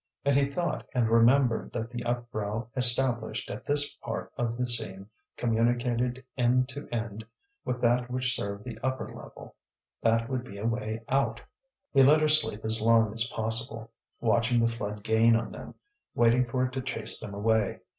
And he thought and remembered that the upbrow established at this part of the seam communicated end to end with that which served the upper level. That would be a way out. He let her sleep as long as possible, watching the flood gain on them, waiting for it to chase them away.